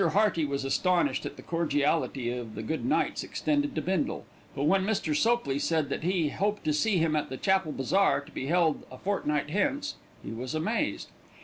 Hearty was astonished at the cordiality of the good nights extended to Bindle; but when Mr. Sopley said that he hoped to see him at the Chapel Bazaar to be held a fortnight hence, he was amazed.